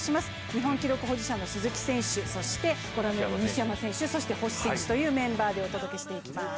日本記録保持者の鈴木選手、西山選手、そして星選手というメンバーでお届けします。